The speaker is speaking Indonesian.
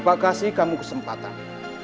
bapak kasih kamu kesempatan